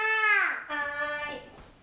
はい。